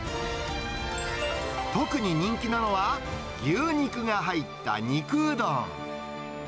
特に人気なのは、牛肉が入った肉うどん。